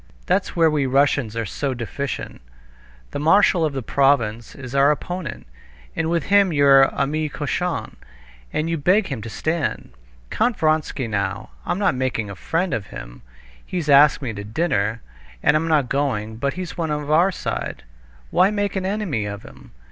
That's where we Russians are so deficient. The marshal of the province is our opponent, and with him you're ami cochon, and you beg him to stand. Count Vronsky, now ... I'm not making a friend of him; he's asked me to dinner, and I'm not going; but he's one of our side—why make an enemy of him?